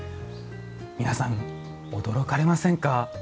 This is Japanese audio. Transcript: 皆さん驚かれませんか？